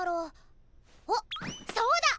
おっそうだ